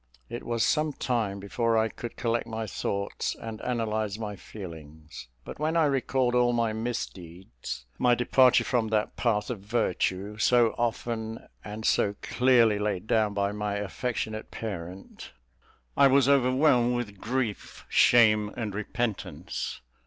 It was some time before I could collect my thoughts and analyse my feelings; but when I recalled all my misdeeds my departure from that path of virtue, so often and so clearly laid down by my affectionate parent I was overwhelmed with grief, shame, and repentance.